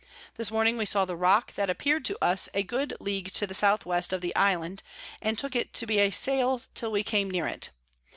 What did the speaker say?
This Morning we saw the Rock, that appear'd to us a good League to the S W. of the Island, and took it to be a Sail till we came near it.